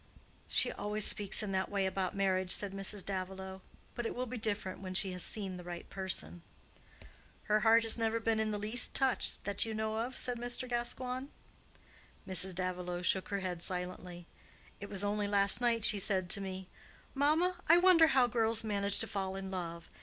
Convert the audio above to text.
"She always speaks in that way about marriage," said Mrs. Davilow; "but it will be different when she has seen the right person." "Her heart has never been in the least touched, that you know of?" said Mr. Gascoigne. Mrs. Davilow shook her head silently. "It was only last night she said to me, 'Mamma, I wonder how girls manage to fall in love.